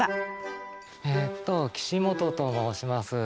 えっと岸本と申します。